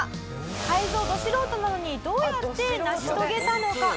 改造ど素人なのにどうやって成し遂げたのか？